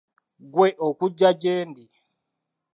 Gwe okugya gyendi.